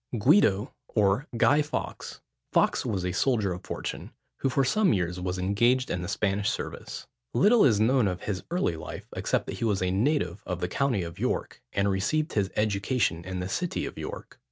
GUIDO, OR GUY FAWKES. Fawkes was a soldier of fortune, who for some years was engaged in the Spanish service. Little is known of his early life, except that he was a native of the county of York, and received his education in the city of York.